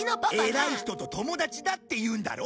偉い人と友達だって言うんだろ？